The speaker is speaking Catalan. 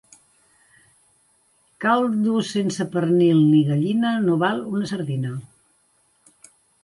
Caldo sense pernil ni gallina no val una sardina.